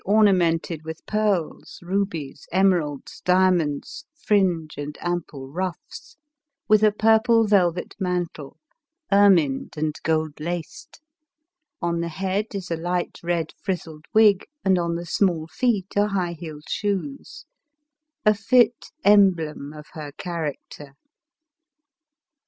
ornamented with pearls, rubies, emeralds, diamonds, fringe and ample ruffs, with a purple velvet mantle, er mined and gold laced ; on the head is a light red friz zled wig, and on the small feet are high heeled shoes — a fit emblem of her character.